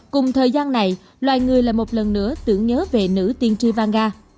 cùng thời gian này loài người lại một lần nữa tưởng nhớ về nữ tiên tri vanga